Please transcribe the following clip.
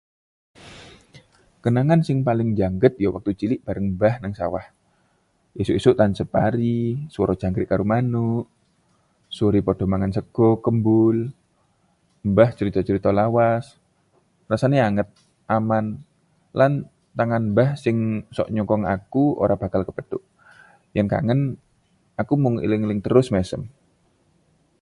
Kenangan sing paling njangget ya wektu cilik bareng mbah neng sawah. Esuk-esuk tancep pari, swara jangkrik karo manuk, sore padha mangan sega kembul, mbah crita crita lawas. Rasané anget, aman, lan tangan mbah sing sok nyokong aku ora bakal kepethuk. Yèn kangen, aku mung ngeling-eling terus mesem.